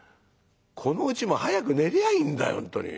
このうちも早く寝りゃあいいんだ本当に。